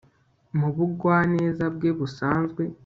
Mu bugwaneza bwe busanzwe